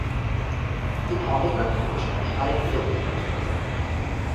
তিনি অনেকার্থ কোষ নামে আরেকটি অভিধান রচনা করেন।